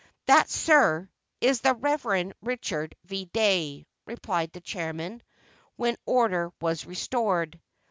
"That, sir, is the Rev. Richard V. Dey," replied the Chairman, when order was restored.